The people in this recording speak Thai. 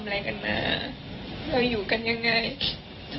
ไม่ได้คิดเรื่องเขาเป็นใคร